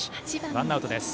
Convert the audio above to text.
ワンアウトです。